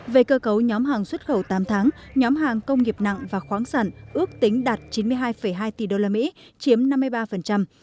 về cơ cấu nhóm hàng xuất khẩu tám tháng nhóm hàng công nghiệp nặng và khoáng sản ước tính đạt chín mươi hai hai tỷ đô la mỹ chiếm năm mươi ba